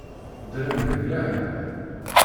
Ddren deg lehna.